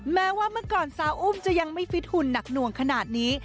แม้ว่าเมื่อก่อนสาวอุ้มจะยังไม่ฟิตหุ่นหนักหน่วงขนาดนี้